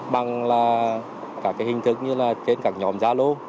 bằng là các hình thức như là trên các nhóm gia lô